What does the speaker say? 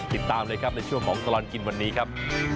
ติดตามเลยครับในช่วงของตลอดกินวันนี้ครับ